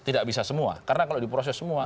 tidak bisa semua karena kalau diproses semua